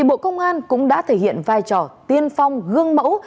bộ công an cũng đã thể hiện vai trò tiên phong gương mẫu